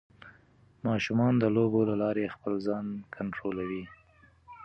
ماشومان د لوبو له لارې خپل ځان کنټرولوي.